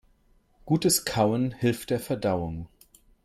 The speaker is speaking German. Gutes Kauen hilft der Verdauung.